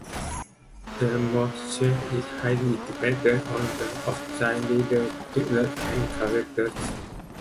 The bond strength is highly dependent on the oxide layer thickness and character.